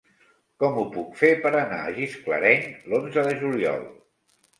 Com ho puc fer per anar a Gisclareny l'onze de juliol?